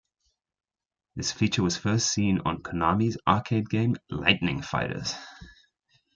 This feature was first seen on Konami's arcade game, "Lightning Fighters".